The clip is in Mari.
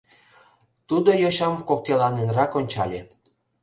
Тудо йочам коктеланенрак ончале.